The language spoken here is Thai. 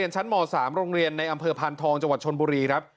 ชั้นม๓โรงเรียนในอำเภอพานทองจังหวัดชนบุรีครับ